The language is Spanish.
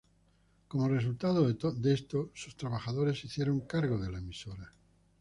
Como resultado de esto, sus trabajadores se hicieron cargo de la emisora.